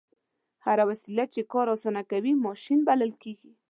هره وسیله چې کار اسانه کوي ماشین بلل کیږي.